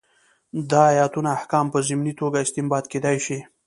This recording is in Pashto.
دا ایتونه احکام په ضمني توګه استنباط کېدای شي.